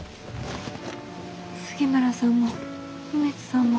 杉村さんも梅津さんも。